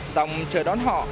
xong chờ đón họ